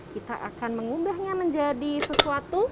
kita akan mengubahnya menjadi sesuatu